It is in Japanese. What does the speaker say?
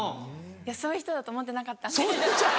そういう人だと思ってなかったんで。